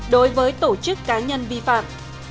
đối với tổ chức cá nhân vi phạm